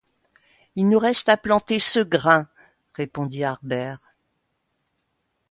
Il nous reste à planter ce grain, répondit Harbert.